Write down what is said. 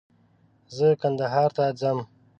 زه کندهار ته ځم